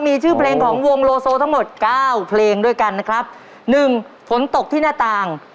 มีชื่อเพลงของวงโลโซทั้งหมดเก้าเพลงด้วยกันนะครับหนึ่งฝนตกที่หน้าต่าง